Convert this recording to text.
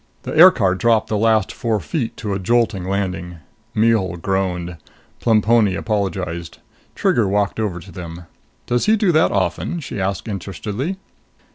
The aircar dropped the last four feet to a jolting landing. Mihul groaned. Plemponi apologized. Trigger walked over to them. "Does he do that often?" she asked interestedly.